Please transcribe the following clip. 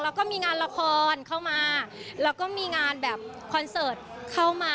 แล้วก็มีงานละครเข้ามาแล้วก็มีงานแบบคอนเสิร์ตเข้ามา